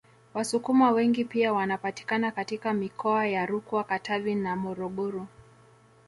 Wasukuma wengi pia wanapatikana katika mikoa ya Rukwa Katavi na Morogoro